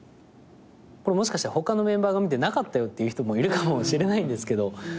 これもしかしたら他のメンバーが見て「なかったよ」って言う人もいるかもしれないんですけど。